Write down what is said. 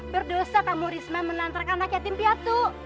berdosa kamu risma menantarkan anak yatim piatu